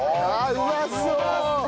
うまそう！